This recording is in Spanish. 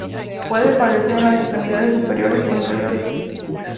Puede aparecer en las extremidades superiores o inferiores.